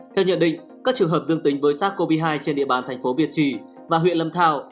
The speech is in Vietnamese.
theo nhận định các trường hợp dương tính với sars cov hai trên địa bàn thành phố việt trì và huyện lâm thao